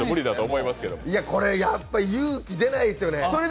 いや、これやっぱ勇気出ないですね。